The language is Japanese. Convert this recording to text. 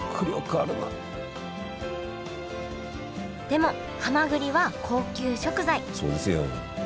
でもはまぐりは高級食材そうですよ。